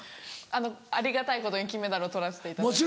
ありがたいことに金メダルを取らせていただいて。